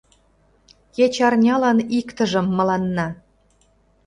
— Кеч арнялан иктыжым мыланна...